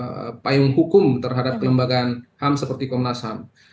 ada payung hukum terhadap kelembagaan ham seperti komnas ham